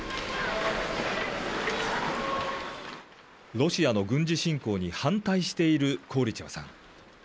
ロシアの軍事侵攻に反対しているコーリチェワさん。